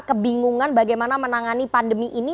kebingungan bagaimana menangani pandemi ini